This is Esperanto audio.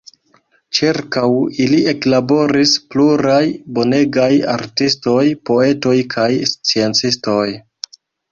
Ĉirkaŭ ili eklaboris pluraj bonegaj artistoj, poetoj kaj sciencistoj.